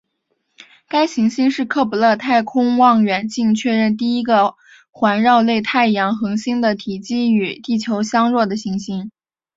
该行星是克卜勒太空望远镜确认第一个环绕类太阳恒星的体积与地球相若的行星。